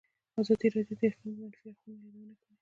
ازادي راډیو د اقلیم د منفي اړخونو یادونه کړې.